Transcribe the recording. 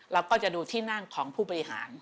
เราก็จะดูที่นั่งของผู้บริหาร